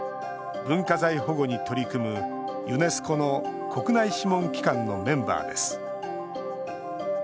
文化財保護に取り組むユネスコの国内諮問機関のメンバーです。